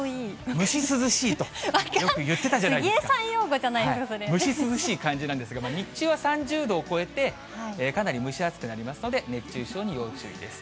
蒸し涼しいと、よく言ってた杉江さん用語じゃないですか、蒸し涼しい感じなんですが、日中は３０度を超えて、かなり蒸し暑くなりますので、熱中症に要注意です。